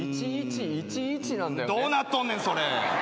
どうなっとんねんそれ。